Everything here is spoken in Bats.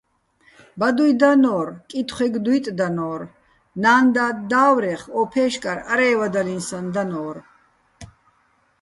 ბადუჲ დანო́რ, კითხვეგო̆ დუჲტდანო́რ, ნა́ნ-და́დ და́ვრეხ ო ფეშკარ არე́ვადალინსაჼ დანო́რ.